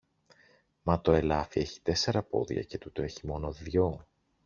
Μα το ελάφι έχει τέσσερα πόδια, και τούτο έχει μόνο δυο!